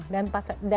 dan pasal dan